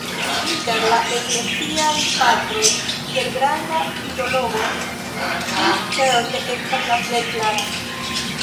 Inter la Ekleziaj Patroj, kiel granda filologo, li certe estas la plej klera.